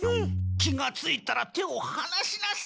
気がついたら手をはなしなさい！